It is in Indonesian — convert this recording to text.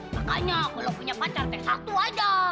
makanya kalau punya pacar kayak satu aja